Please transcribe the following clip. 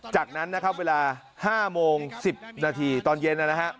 จากนั้นเวลา๕โมง๑๐นาทีตอนเย็น